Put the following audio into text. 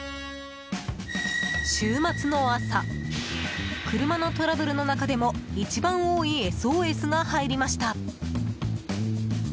週末の朝車のトラブルの中でも一番多いＳＯＳが入りました。